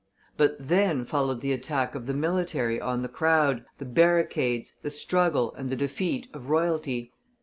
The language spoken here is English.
But then followed the attack of the military on the crowd, the barricades, the struggle, and the defeat of royalty.